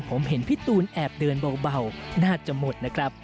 ผมเห็นพี่ตูนแอบเดินเบาน่าจะหมดนะครับ